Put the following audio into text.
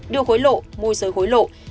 đưa hối lộ mua giới hối lộ